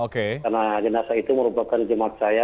karena jenazah itu merupakan jemaat saya